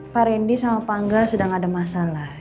pak rendy sama pak angga sedang ada masalah